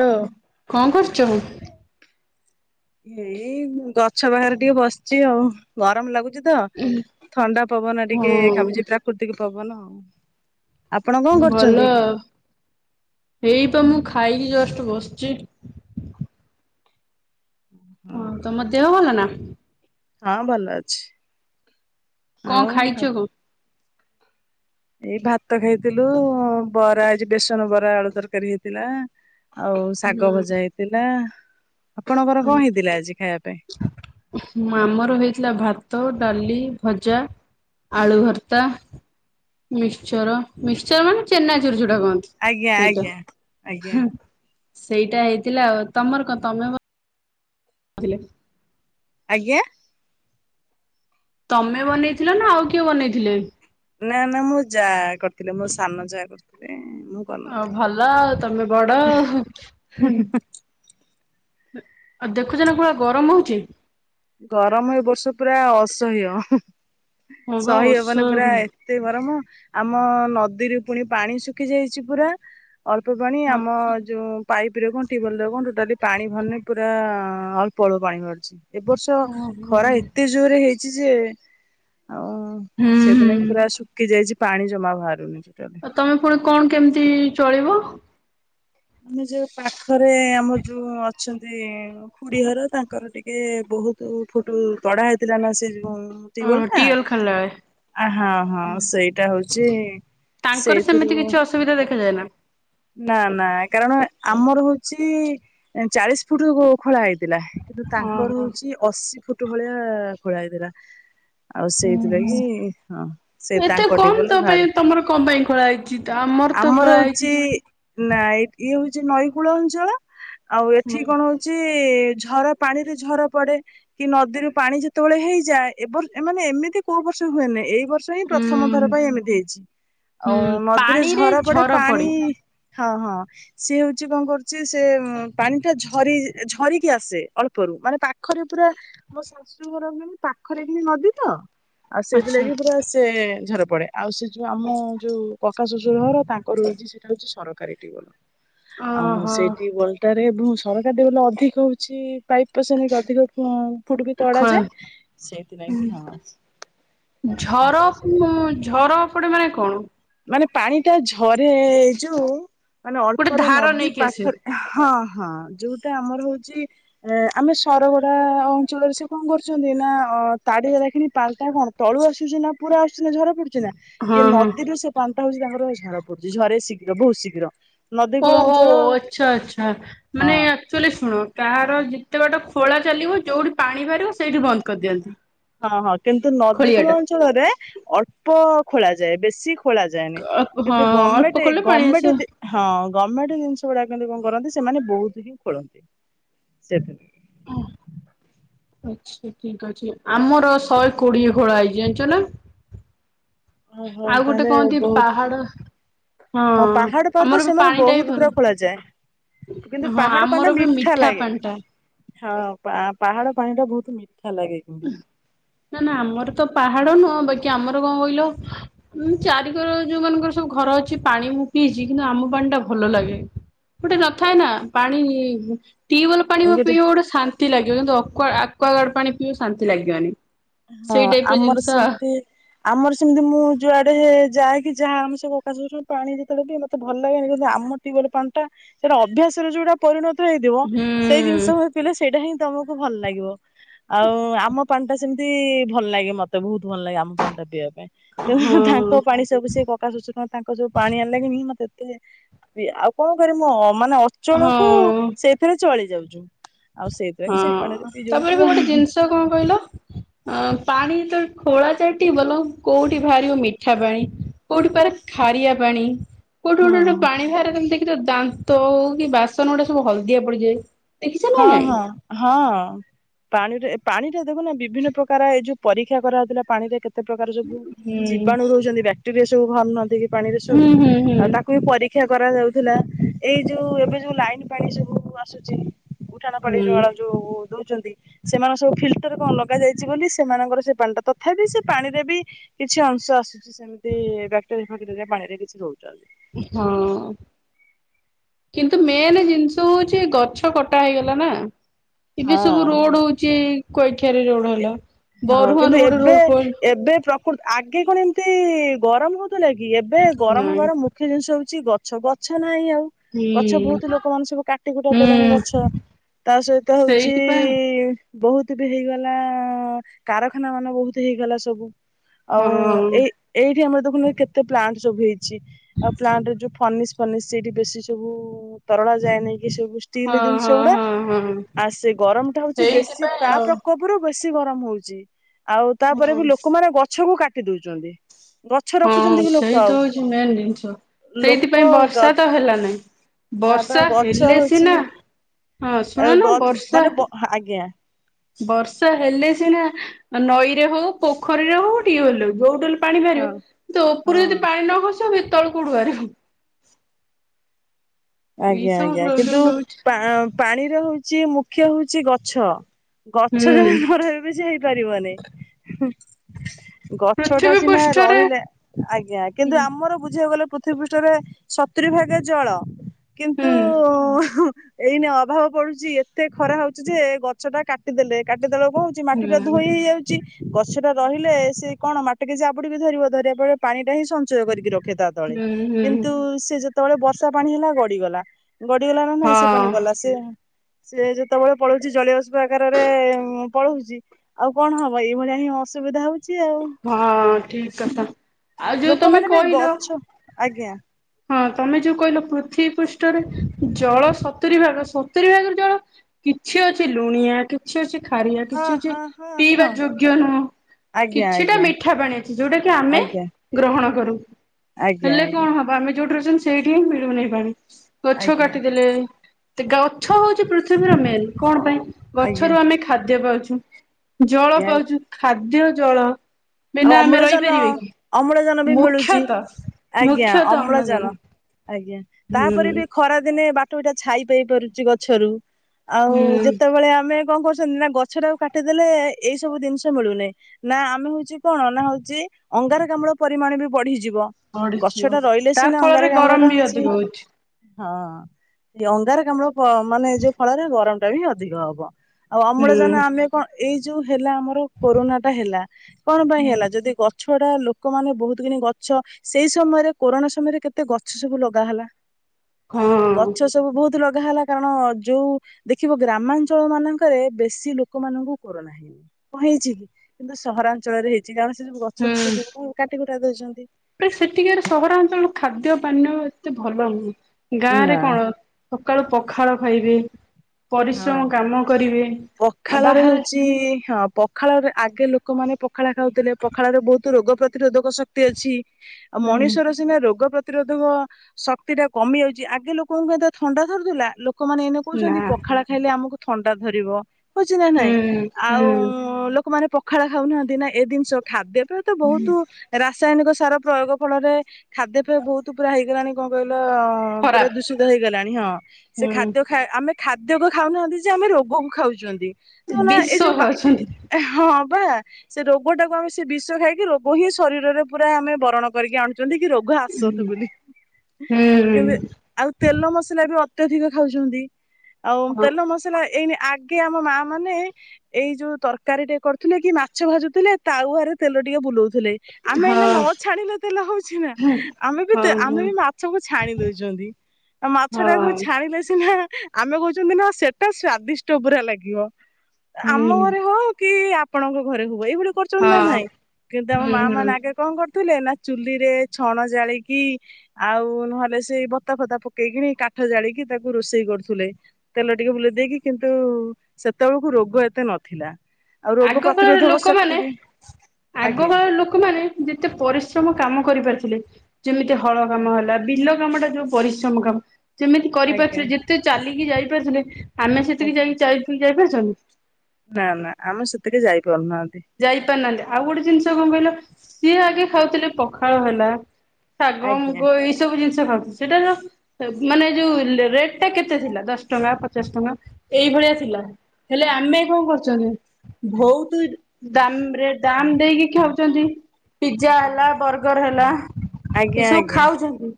Hello. କଣ କରୁଚୁ? ଏଇ ଗଛ ବାହାରେ ଟିକେ ବସିଛି ଆଉ ଗରମ ଲାଗୁଛି ତ ଥଣ୍ଡା ପବନ ଟିକେ ହଁ ଖାଉଛି, ପ୍ରାକୃତିକ ପବନ ଆଉ ଆପଣ କଣ ଭଲ କରୁଛନ୍ତି? ଆ, ହେଇପ ମୁଁ ଖ ଖାଇକି ଜଷ୍ଟ ବସିଛି। ହଁ ତମ ଦେହ ଭଲ ନା ହଁ ଭଲ ଅଛି। କଣ ଆଉ ଖାଇଛ କଣ? ଏଇ ଭାତ ଖାଇଥିଲୁ, ବରା ଏଜି ବେସନ ବରା ଆଳୁ ତରକାରୀ ହେଇଥିଲା। ଆଉ ଶାଗ ଭଜା ହେଇଥିଲା। ଆପଣଙ୍କର ହ କଣ ହେଇଥିଲା ଆଜି ଖାଇବା ପାଇଁ? ଆମର ହେଇଥିଲା, ଭାତ ଭାତ, ଡାଲି, ଭଜା, ଆଳୁ ଭର୍ତ୍ତା ମିଶ୍ଚର, ମିଶ୍ଚର ମାନେ ଚେନାଚୁର ଯଉଟା ସେଟା ଗନ୍ଥ ଆଜ୍ଞା ସେଇଟା ଆଜ୍ଞା ଆଜ୍ଞା [unintelligible] ସେଇଟା ହେଇଥିଲା ଆଉ ତମର କଣ ତମ ଆଭିଲେ ଆଜ୍ଞା। ତମେ ବନେଇଥିଲ ନା ଆଉ କିଏ ବନେଇଥିଲେ? ନା ନା ମୁଁ ଯା କରିଥିଲି ମୋ ସାନ ଯା କରିଥିଲେ। ମୁଁ ହଁ କରିନଥିଲି। ଭଲ ଆଉ ତମେ ବଡ ଆଉ ହୁଁ। ଆଉ ଦେଖୁଛ ନା କଉ ଭଳିଆ ଗରମ ହଉଚି ଗରମ ଏ ବର୍ଷ ପୁରା ଅସହ୍ୟ ହୁଁ ହଁ ବା ସହି ହବନି ଅସହ୍ୟ ପୂରା ଏତେ ଗରମ। ଆମ ନଦୀରେ ପୁଣି ପାଣି ଶୁଖି ଯାଇଚି ପୂରା ଅଳ୍ପ ପାଣି ଆମ ଗରମ। ଯଉ ପାଇପ ରେ କଣ ଟ୍ୟୁବଲ କଣ ଟୋଟାଲ ପାଣି ଭନେ ପୁରା ଅଳ୍ପ ଅଳ୍ପ ପାଣି ବାହାରୁଚି ଏବର୍ଷ ହୁଁ ଖରା ହୁଁ। ଏତେ ଜୋରରେ ହେଇଚି ଯେ ଆଉ ହୁଁ ସେଦିନ କି ହୁଁ ପୁରା ଶୁଖି ଯାଇଚି ପାଣି ଜମା ବାହାରୁନି। ଟୋଟାଲି। ଆଉ ତମେ ପୁଣି କଣ କେମିତି ଚଳିବ? ଆାନେ ଯୋଉ ପାଖରେ ଆମର ଯୋଉ ଅଛନ୍ତି ଖୁଡି ଘର ତାଙ୍କର ଟିକେ ଗୁଗୁ ଫୁଟୁ ଗଢା ହେଇଥିଲା ନା ସେ ମୁ ଓ ତିଓଲ ଟା ଟିଏଲ ଖେଳିଲା ବେଳେ ଆଁ ହଁ ହଁ ସେଇଟା ହଉଚି ତାଙ୍କର ସେମିତି କିଛି ଅସୁବିଧା ଦେଖାଯାଏ ନା ନା କାରଣ ଆମର ହଉଚି ଚାଳିଶ ଫୁଟ ଖୋଳା ହେ ଥିଲା କିନ୍ତୁ ତାଙ୍କର ଓହୋ। ହଉଛି ଅଶୀ ଫୁଟ ଭଳିଆ ଖୋଳା ହେଇଥିଲା। ଆଉ ସେଇଥିପାଇ କି ହଁ ସେ ଏତେ ତାଙ୍କ କମ ଟିଓଲ ତୋ ପାଇଁ ଭାରେ। ତମର କଣ ପାଇଁ ଖୋଳା ହେଇଛି ତ ଆମର ଖୋଳା ହେଇଛି। ହଉଚି ନା ଇଏ ହଉଛି ନଈକୂଳ ଅଞ୍ଚଳ ଆଉ ଏଠି ହୁଁ। କଣ ହଉଚି ତି ଝରା ପାଣି ରେ ଝର ପଡେ କି ନଦୀରୁ ପାଣି ଯେତେବେଳେ ହେଇଯାଏ ଏ ବର ମାନେ ଏମିତି କଉ ବର୍ଷ ହୁଏନି। ଏ ବର୍ଷ ହିଁ ପ୍ରଥମ ଉଁ ଥର ପାଇଁ ଏମିତି ହେଇଚି ହୁଁ ଆଉ ନଦୀରେ ପାଣିରେ ଝରା ପଡେ ଝର ପାଣି ହଁ ହଁ ସିଏ ହଉଚି ଙ୍କ କରୁଚି ସେ ପାଣି ଟା ଝରି ଝରିକି ଆସେ ଅଳ୍ପ ମାନେ ପାଖରେ ପୁରା ମୋ ଶାଶୁ ଘର ମାନେ ପାଖରେ କି ନଦୀ ତ। ଆଉ ଆଚ୍ଛା। ସେଇଥିଲାଗି ପୁରା ସେ ପଡେ ଆଉ ସେ ଯୋଉ ଆମ ଯୋଉ ପକା ଶ୍ୱଶୁର ଘର ତାଙ୍କ ରହିଛି ସେଇଟା ହଉଛି ସରକାରୀ ଟିିଓଲ। ଆଉ ଓହୋ ସେଇ ଟିଓଲା ଟା ହଁ ସରକାର ଯାଉଟା ଅଧିକ ହଉଚି ପାଇପ ପୋସାନିକା ଅଧିକ କଣ ଫୁଟ୍ ବି ତଡ଼ା ଖୋ ଯାଏ ସେଇଥିପାଇଁ କି ହଁ। ଝର ତାଙ୍କର ସେଇଥି ଉଁ ଝର ପଡି ମାନେ କଣ? ମାନେ ପାଣି ଟା ଝରେ ଏଇ ଯୋଉ ମାନେ ଗୋଟେ ଅଳ୍ପରେ ଧାର ନଦୀ ନେଇକି ଆସେ ପାଖରେ ହଁ। ହଁ ଯୋଉଟା ଆମର ହଉଚି ଆମେ ସରଗଡା ଅଞ୍ଚଳରେ ସେ କଣ କରୁଚନ୍ତି ନା ହ ତାଡିହେରାଖିନୀ ପାଲଟା କଣ ତଳୁ ଆସୁଛି ନା ପୁରା ଆସୁଚି ନା ଝର କିନା ଇଏ ହଁ ହଁ। ନଦୀରୁ ସେ ପାଣିଟା ହଉଚି ତାଙ୍କର ଝାର ପଡୁଛି ଝରେ ଶୀଘ୍ର ବହୁତ ଶୀଘ୍ର। ନଦୀ କୂଳ ଓହୋ ଅଞ୍ଚଳ ଆଛା ଆଛା ହଁ ମାନେ ଆକ୍ଚୁଲି ଶୁଣ କାହାର ଯେତେ ବାଟ ଖୋଳା ଚାଲିବ ଯୋଉଠି ପାଣି ବାହାରିବ ସେଇଟି ବନ୍ଦ କରିଦିଅନ୍ତି। ହଁ ହଁ କିନ୍ତୁ ନଦୀ ଖୋଳିଆ କୂଳ ଟା ଅଞ୍ଚଳରେ ଅଳ୍ପ ଖୋଳା ଯାଏ ବେଶୀ ଖୋଳା ଯାଏନି ହଁ କିନ୍ତୁ ଅଳ୍ପ ଗମେଣ୍ଟ ଖୋଳିଲେ ପାଣି ଆସିବ। ଗମେଣ୍ଟ ହଁ ଗମେଣ୍ଟ ଜିନିଷ ଗୋଡାକ କରନ୍ତି ସେମାନେ ବହୁତ ହିଁ ଖୋଳନ୍ତି। ଆଛା ଠିକ୍ ଅଛି ଆମର ଶହେ କୋଡିଏ ଖୋଳ ହେଇଚି ଜାଣିଚ ନା ଓହୋ ଆଉ ଗୋଟେ ତାହେଲେ କହନ୍ତି ବହୁତ ପାହାଡ ହଁ ପାହାଡଉପରେ ଆମର ତ ବି ସେମାନେ ପାଣି ଟା ବି ବହୁତ ଭଲ। ପୁରା ଖୋଳାଯାଏ। କିନ୍ତୁ ହଁ ପାହାଡ ପାଣି ଟା ଆମର ବି ମିଠା ଲାଗେ ପାଣିଟା ହଁ ପା ପାହାଡ ପାଣିଟା ନା ନା ଆମର ତ ପାହାଡ ନୁହଁ ବାକି ଆମର କଣ କହିଲ ଉଁ ଚାରିକର ଯୋଉ ମାନଙ୍କର ସବୁ ଘର ଅଛି ପାଣି ମୁଁ ପିଇଛି କିନ୍ତୁ ଆମ ପାଣି ଟା ଭଲ ଲାଗେ। ଗୋଟେ ନଥାଏ ନା ପାଣି ଟ୍ୟୁବଲ୍ ପାଣି ପିଇବ ଗୋଟେ ଶାନ୍ତି ଲାଗିବ କିନ୍ତୁ ଅକୁଆ ଆକ୍ୱାଗାର୍ଡ ପାଣି ପିଇବ ଶାନ୍ତି ଲାଗିବନି। ହଁ ସେଇ ଟାଇପ ର ଆମର ଜିନିଷ ସେମିତି ଆମର ସେମିତି ମୁଁ ଯୁଆଡେ ଯାଏକି ଯାହା ଆମେ ସବୁ ଅକାଶୁର ପାଣି ଯେତେବେଳେ ପିଏ ମତେ ଭଲ ଲାଗେନି କିନ୍ତୁ ଆମ ଆମ ଟ୍ୟୁବଲ ପାଣାଟା ସେଇଟା ଅଭ୍ୟାସ ର ଯୋଉଟା ପରିଣତ ହେଇଥିବ ହୁଁ ସେଇ ଜିନିଷ ହିଁ ପିଲେ ସେଇଟା ହିଁ ତମକୁ ଭଲ ଲାଗିବ ଆଉ ଆମ ପାଣିଟା ସେ ସେମିତି ଭଲ ଲାଗେ ମତେ ବହୁତ ଭଲ ଲାଗେ ଆମ ପାଣି ଟା ପିଇବାକୁ। ହଁ ତାଙ୍କ ପାଣି ସବୁ ସେ କକା ଶଶୁର ତାଙ୍କ ଯୋଉ ପାଣି ଆଣିଲା ଗିଣି ମତେ ଆଉ କଣ କରିବି ମୁଁ ମାନେ ଅଚଳକୁ ହଁ। ସେଇଥିରେ ଚଳି ଯାଉଛୁ। ଆଉ ସେଇଥିରେ ହଁ ସେଇ ପାଣିରେ ପିଇ ଯାଉଛୁ ତାପରେ ବି ଆଉ ଗୋଟେ ଜିନିଷ କଣ କହିଲ। ଅ ପାଣି ଯେତେବେଳେ ଖୋଳାଯାଏ ଟିବଲ କୋଉଠି ବାହାରିବ ମିଠା ପାଣି କୋଉଠି ଭାରେ ଖାରିଆ ପାଣି। କୋଉଠି ଗୋଟେ ହଁ। ଗୋଟେ ପାଣି ବାହାରେ ତମେ ଦେଖିଚ ଦାନ୍ତ ହଉ କି ବାସନ ଗୁଡ଼ାକ ସବୁ ହଳଦିଆ ପଡ଼ିଯାଏ। ଦେଖିଚ ନା ହଁ ନାଇଁ। ହଁ ହଁ ପାଣିରେ ପାଣି ଟା ଦେଖୁନା ବିଭିନ୍ନ ପ୍ରକାର ଏ ଯୋଉ ପରୀକ୍ଷା କରାହେଉଥିଲା ପାଣିରେ କେ କେତେ ପ୍ରକାର ସବୁ ଜୀବାଣୁ ହୁଁ ରହୁଛନ୍ତି ବ୍ୟାକ୍ଟେରିଆ ସବୁ ଭାରୁନାହାନ୍ତି କି ପାଣିରେ ସବୁ ହୁଁ ହୁଁ ଆଉ ତାକୁ ବି ପରୀ କ୍ଷା କରାଯାଉଥିଲା ଏଇ ଯୋଉ ଏବେ ଯୋଉ ଲାଇନ୍ ପାଣି ସବୁ ଆସୁଚି। ଉଠାଣ ହୁଁ ପାଣିଜଳା ଯୋଉ ଦଉଛନ୍ତି ସେମାନେ ସବୁ ଫିଲ୍ଟର କଣ ଲଗା ଯାଇଚି ବୋଲି ସେମାନଙ୍କର ସେ ପାଣିଟା ତଥାପି ସେ ପାଣିରେ ବି କିଛି ଅଂଶ ଆସୁଚି ସେମିତି ବ୍ୟାକ୍ଟେରିଆ ଫେକ୍ଟେରିଆ ପାଣିରେ କିଛି ରହୁଛନ୍ତି। ହଁ। କିନ୍ତୁ ମେନ୍ ଜିନିଷ ହଉଚି ଗଛ କଟା ହେଇଗଲା ନା। ଇନେ ହଁ। ସବୁ ରୋଡ଼ ହଉଚି କ ଖାରି ରୋଡ଼ ହେଲା ହଁ କିନ୍ତୁ ବରୁଆରୁ ଗୋଟେ ଏବେ ରୋଡ଼ ପ ଏବେ ଆଗେ କଣ ଏମିତି ଗରମ ହଉଥିଲା କି ଏବେ ଗରମ ନାଇଁ ହବାର ମୁଖ୍ୟ ଜିନିଷ ହଉ କିଛି ଗଛ ଗଛ ନାହିଁ ଆଉ ଗଛ ହୁଁ ବହୁତ ଲୋକମାନେ ସବୁ କାଟି କୁଟା ଦେଲେଣି ହୁଁ। ଗଛ। ତା ସହିତ ହଉଚି ଇ ସେଇଥିପାଇଁ ଇ ବହୁତ ବି ହେଇଗଲା ଆ କାରଖାନା ମାନେ ବହୁତ ହେଇଗଲା ସବୁ। ଆଉ ହଁ ଏଇ ଏଇଠି ଆମର ଦେଖୁନ କେତେ ପ୍ଲାଣ୍ଟ ସବୁ ହେଇ ଆଉ ପ୍ଲାଣ୍ଟରେ ଯୋଉ ଫନିସ୍ ଫନିସ୍ ସେଇଠି ବେଶୀ ସବୁ ତରଳା ଯାଏ ନାଇଁ ଏ ସବୁ ଷ୍ଟିଲ ହଁ ଜିନିଷ ହଁ ଗୁଡ଼ା ହଁ ହଁ ଆ ସେ ଗରମ ଟା ହଉଚି ବେଶୀ ସେଇଥିପାଇଁ ତା ଆଉ ପ୍ରକ ବେଶୀ ଗରମ ହଉଚି ଆଉ ତାପରେ ହୁଁ ବି ଲୋକମାନେ ଗଛକୁ କାଟି ଦଉଚନ୍ତି। ହଁ ସେଇ ତ ହଉଚି ମେନ୍ ଜିନିଷ। ଲୋକ ସେଇଥିପାଇଁ ଗ ବର୍ଷା ତ ହେଲା ନାଇଁ। ନା ବା ବର୍ଷା ଗଛ ହେଲେ ହଉଛି ସିନା ହଁ ଶୁଣ ନା ବର୍ଷା ୟା ବର୍ଷା ହେଲେ ସିନା ନଈରେ ହଉ ପୋଖରୀରେ ହଉ ଟିୱଲ ହେଉ ଯୋଉଠି ହେ ପାଣି ହଁ ବାହାରିବ ତ ଉପରୁ ହଁ। ଯଦି ପାଣି ନ ଖସିବ ତଳୁ କୋଉଠୁ ବାହାରିବ। ଏଇ ଆଜ୍ଞା ସବୁ ଆଜ୍ଞା ପ୍ରୋବ୍ଲେମ କିନ୍ତୁ ରହୁଛି। କା ପାଣିରେ ହଉଚି ମୁଖ୍ୟ ହଉଚି ଗଛ ଗଛ ହୁଁ ଯାହା ରହିବ ସେ ହେଇପା ପାରିବନି। ଗଛ ଟା ପୃଥିବୀ ସିନା ପୃଷ୍ଠରେ ରହିଲେ ଆଜ୍ଞା କିନ୍ତୁ ହୁଁ ଆମର ବୁଝିବାକୁ ଗଲେ ପୃଥିବୀ ପୃଷ୍ଠରେ ସତୁରି ଭାଗା ଜଳ କିନ୍ତୁ ହୁଁ ଉ ଉ ଏଇନା ଅଭାବ ପଡ଼ୁଚି ଏତେ ଖରା ହଉଚି ଯେ ଗଛ ଟା କାଟିଦେଲେ କା ମାଟିଟା କଣ ହଉଚି ମାଟି ଟା ହୁଁ ଧୋଇ ହେଇଯାଉଚି ଗଛ ଟା ରହିଲେ ସେ କଣ ମାଟିକି ଯାବୁଡ଼ିକି ଧରିବ ଧରିବା ପରେ ପାଣି ଟା ହିଁ ସଞ୍ଚୟ କରିକି ରଖେ ତା ତଳେ ହୁଁ। ହୁଁ। କିନ୍ତୁ ସେ ଯେ ତଳେ ବର୍ଷା ପାଣି ହେଲା ଗଡ଼ିଗଲା ଗଡ଼ିଗଲା ନା ନାଇଁ ସେ ପାଣି ହଁ ଗଲା ସେ ସେ ଯେତେବେଳେ ପଳଉଛି ଜଳୀୟବାଷ୍ପ ଆକାରରେ ପଳଉଛି ଆଉ କଣ ହବ ଏଇଭଳିଆ ଅସୁବିଧା ହଉ ହଁ ଠିକ କଥା ଆଉ ଯଉ ତମେ ଲୋକମାନେ ବି କହିଲ ଗଛ ଆଜ୍ଞା ହଁ ତମେ ଯୋଉ କହିଲ ପୃଥିବୀ ପୃଷ୍ଠରେ ଜଳ ସତୁରି ଭାଗ ସତୁରି ଭାଗରେ ଜଳ କିଛି ଅଛି ଲୁଣିଆ କିଛି ଅଛି ଖାରିଆ ହଁ କିଛି ଅଛି ହଁ ହଁ ପିଇବା ହଁ ଯୋଗ୍ୟ ନୁହଁ। ଆଜ୍ଞା କିଛିଟା ଆଜ୍ଞା ମିଠା ପାଣି ଅଛି ଯୋଉଟା କି ଆମେ ଆଜ୍ଞା ଗ୍ରହଣ କରୁ। ଆଜ୍ଞା ହେଲେ ଆଜ୍ଞା କଣ ହବ ଆମେ ଯୋଉଠି ଅଛନ୍ତି ସେଇଠି ହିଁ ମିଳୁ ନାହିଁ ପାଣି ଗଛ ଆଜ୍ଞା କାଟିଦେଲେ ଗଛ ହଉଛି ପୃଥିବୀର ମେନ୍ କଣ ପାଇଁ ଆଜ୍ଞା ଗଛରୁ ଆମେ ଖାଦ୍ୟ ପାଉଛୁ। ଜଳ ଆଜ୍ଞା ପାଉଛୁ ଖାଦ୍ୟ ଜଳ। ଆଉ ବିନା ଆମେ ଅମ୍ଳଜାନ ରହିପାରିବେ କି ଅମ୍ଳଜାନ ବି ମିଳୁଛି ମୁଖ୍ୟତଃ ଆଜ୍ଞା ଅମ୍ଳଜାନ। ଆଜ୍ଞା ତାପରେ ହୁଁ ବି ଖରା ଦିନେ ବାଟ ବିଟା ଛାଇ ପାଇପାରୁଛି ଗଛରୁ ଆଉ ହୁଁ ଯେତେବେଳେ ଆମେ କଣ କରୁଛନ୍ତି ନା ଗଛ ଟାକୁ କାଟିଦେଲେ ଏଇ ସବୁ ଜିନିଷ ମିଳୁନାହିଁ ନା ଆମେ ହଉଚି କଣ ନା ହଉଛି ଅଙ୍ଗାରକାମ୍ଳ ପରିମାଣ ବି ବଢିଯିବ ଗଛ ପଡିଯିବ ଟା ରହିଲେ ତା ସିନା ଫଳରେ ଅଙ୍ଗାରକାମ୍ଲ ଗରମ ଟା ବି ହଉଛି ଅଧିକ ହଁ ଅଙ୍ଗାର ଆମ ମାନେ ଏଇ ଯୋଉ ଫଳରେ ଗରମ ଟା ବି ଅଧିକ ହବ ଆଉ ହୁଁ ଅମ୍ଳଯାନ ଆମେ କଣ ଏଇ ଯୋଉ ହେଲା ଆମର କରୋନା ଟା ହେଲା କଣ ପାଇଁ ହୁଁ ହେଲା ଯଦି ଗ ଗଛଡା ଲୋକମାନେ ବହୁତ କି ଗଛ ସେଇ ସମୟରେ କୋରୋନା ସମୟରେ କେତେ ଗଛ ସବୁ ଲଗା ହେଲା। ଗଛ ହଁ ସବୁ ବହୁତ ଲଗା ହେଲା କାରଣ ଯୋଉ ଦେଖିବ ଗ୍ରାମାଞ୍ଚଳ ମାନଙ୍କରେ ବେଶୀ ଲୋକମାନଙ୍କୁ କରୋନା ହେଇନି। କଣ ହେଇଛି କି? କିନ୍ତୁ ସହରାଞ୍ଚଳରେ ହେଇଛି କାରଣ ସେ ସବୁ ଗଛ ବୁଛ ହୁଁ ସବୁ କୁ କାଟି କୁଟା ଦଉଛନ୍ତି। ସେଠିକାର ସହରାଞ୍ଚଳ ଖାଦ୍ୟ ପାନୀୟ ଏତେ ଭଲ ନୁହେଁ ଗାଁ ରେ ନା କଣ ସକାଳୁ ପଖାଳ ଖାଇବେ ହଁ ପରିଶ୍ରମ କାମ କରିବେ। ଆଉ ପଖାଳରେ ବାହାରେ ହଉଛି ହଁ ପଖାଳରେ ଆଗେ ଲୋକମାନେ ପ ପଖାଳ ଖାଉଥିଲେ ପଖାଳ ର ବହୁତ ରୋଗ ପ୍ରତିରୋଧକ ଶକ୍ତି ଅଛି ଆଉ ହୁଁ ମଣିଷର ସିନା ରୋଗ ପ୍ରତି ପ୍ରତିରୋଧକ ଶକ୍ତି ଟା କମି ଯାଉଛି ଆଗେ ଲୋକଙ୍କୁ କ ଥଣ୍ଡା ଧରୁଥିଲା ଲୋକମାନେ ଏନେ ନା କହୁଛନ୍ତି ପଖାଳ ଖାଇଲେ ଆମକୁ ଥଣ୍ଡା ଧରିବ ହଉଛି ନା ହୁଁ ନାଇଁ ଆଉ ହୁଁ ଲୋକମାନେ ପ ପଖାଳ ଖାଉନାହାନ୍ତି ନା ଏ ଜିନିଷ ଖାଦ୍ୟ ପେୟ ତ ବହୁତ ରାସାୟନିକ ସାର ପ୍ରୟୋଗ ଫଳରେ ଖାଦ୍ୟ ପେୟ ବହୁତ ପୁରା ହେଇଗଲାଣି କଣ କହିଲୁ ପୁରା ଖରାପ ଦୂଷିତ ହେଇଗଲାଣି ହଁ ସେ ହୁଁ ଖାଦ୍ୟ ଖା ଆମେ ଖାଦ୍ୟ କୁ ଖାଉନାହାନ୍ତି ଯେ ଆମେ ରୋଗକୁ ଖାଉଛନ୍ତି ଦେଖୁନ ବିଷ ଏଯୋଉ ବା ଖାଉଛନ୍ତି ହଁ ସେ ରୋଗ ଟାକୁ ଆମେ ସେ ବିଷ ଖାଇକି ରୋଗ ହିଁ ଶରୀରରେ ପୁରା ଆମେ ବରଣ କରିକି ଆଣୁଛୁ ଛନ୍ତି କି ରୋଗ ଆସତୁ ବୋଲି ହୁଁ କିନ୍ତୁ ଆଉ ତେଲ ମସଲା ବି ଅତ୍ୟଧିକ ଖାଉଛନ୍ତି ଆଉ ହଁ ତେଲ ମସଲା ଏଇନେ ଆଗେ ଆମ ମା ମାନେ ଏଇ ଯୋଉ ତରକାରୀ ଟେ କରୁଥିଲେ କି ମାଛ ଭାଜୁଥିଲେ ତାଉଆରେ ତେଲ ଟିକେ ବୁଲଉ ଆମେ ଏ ନ ହଁ ଛାଣିଲେ ତେଲେ ହଉଛି ନା ଆମେ ବି ହଁ ହଁ ଆମେ ହୁଁ ବି ମାଛକୁ ଛାଣି ଦଉଛନ୍ତି। ଆଉ ମାଛ ଟାକୁ ହଁ ଛାଣିଲେ ସିନା ହା ଆମେ କହୁଛନ୍ତି ନା ସେଟା ସ୍ଵାଦିଷ୍ଟ ପୁରା ଲାଗିବ ଆମ ହୁଁ ଘରେ ହଉ କି ଆ ଆପଣଙ୍କ ଘରେ ହଉ ଏଇଭଳି କରୁଛନ୍ତି ନା ନହିଁ କିନ୍ତୁ ଆମ ମା ହୁଁ ମାନେ ଆଗେ କଣ କର କଥିଲେ ନା ଚୁଲି ରେ ଛଣ ଜାଳିକି ଆଉ ନହେଲେ ସେଇ ବତା ଫତା ପକେଇକିରି କା କାଠ ଜାଳିକି ତାକୁ ରୋଷେଇ କରୁ ତେଲ ଟିକେ ବୁଲେଇ ଦେଇକି କିନ୍ତୁ ସେତେବେଳକୁ ରୋଗ ଏତେ ନଥିଲା। ଆଉ ରୋଗ ଆଗ କାଳରେ ପ୍ରତିରୋଧକ ଶକ୍ତି ଲୋକମାନେ ବି ଆଜ୍ଞା ଆଗକାଳ ଲୋକମାନେ ଯେତେ ପରିଶ୍ରମ କାମ କରିପାର ଥିଲେ ଯେମିତି ହଳ କାମ ହେଲା ବିଲ କାମ ଟା ଯୋଉ ପରିଶ୍ରମ କାମ ଯେମିତି ଆଜ୍ଞା କରିପାରୁଥିଲେ ଯେତେ ଚାଲିକି ଯାଇପାରୁଥିଲେ ଆମେ ସେତିକି ଆଜ୍ଞା। ଯାଇକିି ଯାଇପାରୁଛନ୍ତି। ନା ନା ଆର ସେଥିକି ଯାଇ ଯାଇପାରୁନାହାନ୍ତି ଆଉ ଗୋଟେ ଜିନିଷ କଣ କହିଲ ସିଏ ଆଗେ ଖାଉଥିଲେ ପଖାଳ ହେଲା ଶାଗ ଆଜ୍ଞା ମୁଗ ଏଇ ସବୁ ଜିନିଷ ଖାଉ ସେଟା ଯ ମାନେ ଯୋଉ ରେଟ ଟା କେତେ ଥିଲା ଦଶ ଟଙ୍କା ପଚାଶ ଟଙ୍କା ଏଇଭଳିଆସିଲା ଆଜ୍ଞା। ହେଲେ ଆମେ ଆଜ୍ଞା କଣ କରୁଛନ୍ତି ବହୁତ ଦାମ ରେ ଦାମ ଦେଇକି ଖାଉଛନ୍ତି ପିଜା ଆଜ୍ଞା ହେଲା ବର୍ଗର ହେଲା। ଆଜ୍ଞା ଏସବୁ ଆଜ୍ଞା ଖାଉଛନ୍ତି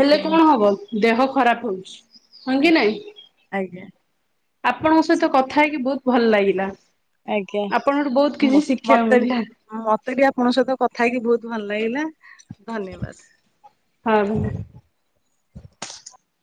ହେଲେ କଣ ହବ ଦେହ ଖରାପ ହଉଛି। ହ କି ଆଜ୍ଞା। ନାଇଁ ଆଜ୍ଞା ଆପଣଙ୍କ ସହିତ କଥା ହେଇକି ବହୁତ ଭଲ ଲାଗିଲା। ଆଗ ଆପଣଙ୍କଠୁ ବହୁତ ଆ୍ କିଛି ଶିଖିବାକୁ ମତେ ବି ମତେ ବି ଆପଣଙ୍କ ସହିତ କଥା ହେଇକି ବହୁତ ଭଲ ଲାଗିଲା ଧନ୍ୟବାଦ। ହଁ।